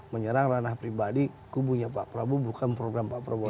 menyerang ranah pribadi kubunya pak prabowo bukan program pak prabowo